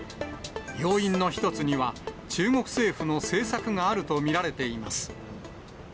要因の一つには、中国政府の政策があると見られています。